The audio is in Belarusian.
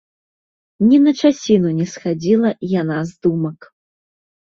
Ні на часіну не схадзіла яна з думак.